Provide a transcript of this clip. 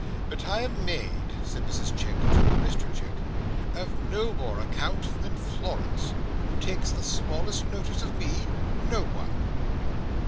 "But I am made," said Mrs Chick to Mr Chick, "of no more account than Florence! Who takes the smallest notice of me? No one!"